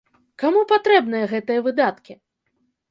Каму патрэбныя гэтыя выдаткі?